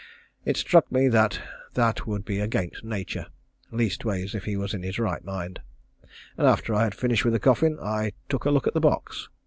It struck me that that would be against nature, leastways if he was in his right mind. After I had finished with the coffin I took a look at the box.